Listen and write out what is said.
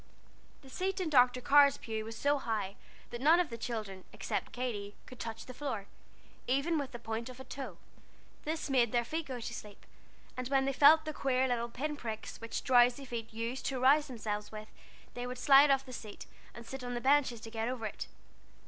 The seat in Dr. Carr's pew was so high that none of the children, except Katy, could touch the floor, even with the point of a toe. This made their feet go to sleep; and when they felt the queer little pin pricks which drowsy feet use to rouse themselves with, they would slide off the seat, and sit on the benches to get over it.